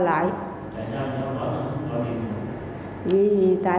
tại sao chị không có điện thoại